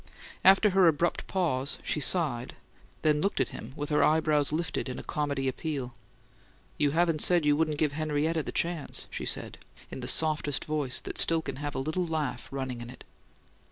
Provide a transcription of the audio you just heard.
After her abrupt pause, she sighed, then looked at him with her eyebrows lifted in a comedy appeal. "You haven't said you wouldn't give Henrietta the chance," she said, in the softest voice that can still have a little laugh running in it.